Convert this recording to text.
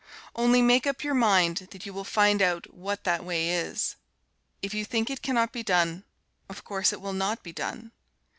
Only make up your mind that you will find out what that way is. If you think it cannot be done, of course it will not be done.